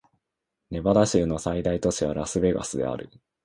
ネバダ州の最大都市はラスベガスである